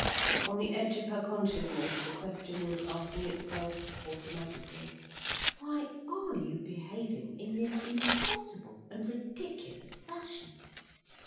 On the edge of her consciousness the question was asking itself, automatically: "Why are you behaving in this impossible and ridiculous fashion."